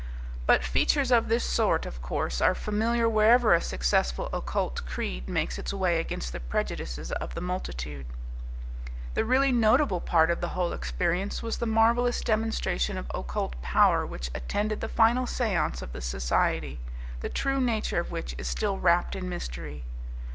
But features of this sort, of course, are familiar wherever a successful occult creed makes its way against the prejudices of the multitude. The really notable part of the whole experience was the marvellous demonstration of occult power which attended the final seance of the society, the true nature of which is still wrapped in mystery.